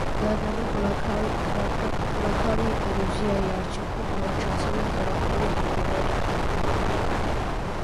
Լեռներում կրաքարի էրոզիայի արդյունքում առաջացել են կրաքարի հանքավայրեր։